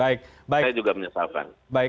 saya juga menyesalkan